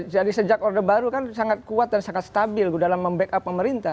jadi sejak orde baru kan sangat kuat dan sangat stabil dalam mem backup pemerintah